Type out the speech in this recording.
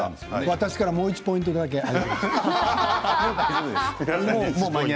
私からもう１ポイントだけ上げます。